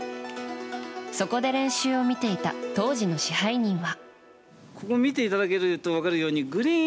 そこで練習を見ていた当時の支配人は。